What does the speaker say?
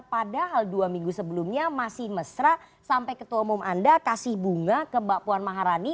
padahal dua minggu sebelumnya masih mesra sampai ketua umum anda kasih bunga ke mbak puan maharani